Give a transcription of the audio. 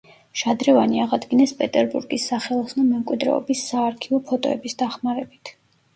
შადრევანი აღადგინეს პეტერბურგის სახელოსნო „მემკვიდრეობის“ საარქივო ფოტოების დახმარებით.